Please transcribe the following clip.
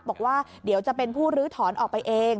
บอกว่าเดี๋ยวจะเป็นผู้ลื้อถอนออกไปเอง